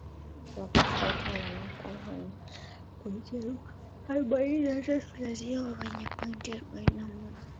wakifuatwa na napal wenye pointi arobaini na tatu lazio wenye pointi arobaini na moja